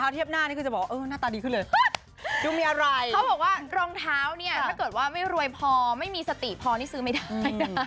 ถ้าเกิดว่าไม่รวยพอไม่มีสติพอนี่ซื้อไม่ได้